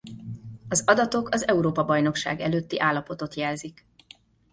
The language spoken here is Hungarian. Az adatok az Európa-bajnokság előtti állapotot jelzik.